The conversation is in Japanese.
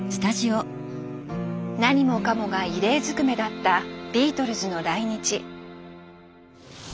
何もかもが異例ずくめだったビートルズの来日。